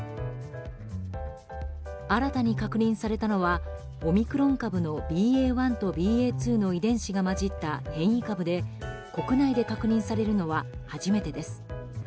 新たに確認されたのはオミクロン株のＢＡ．１とＢＡ．２の遺伝子が交じった変異株で国内で確認されるのは初めてです。